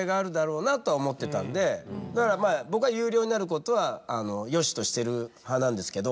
だから僕は有料になることはよしとしてる派なんですけど。